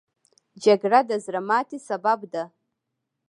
جګړه د زړه ماتې سبب ده